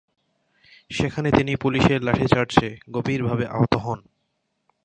সেখানে তিনি পুলিশের লাঠি চার্চে গভীর ভাবে আহত হন।